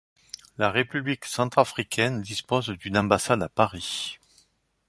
La République centrafricaine dispose d'une ambassade à Paris.